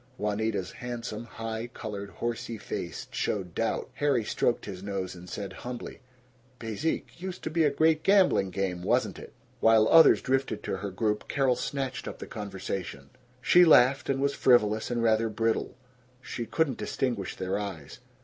Juanita's handsome, high colored, horsey face showed doubt. Harry stroked his nose and said humbly, "Bezique? Used to be great gambling game, wasn't it?" While others drifted to her group, Carol snatched up the conversation. She laughed and was frivolous and rather brittle. She could not distinguish their eyes.